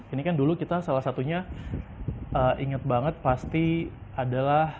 ini kan dulu kita salah satunya inget banget pasti adalah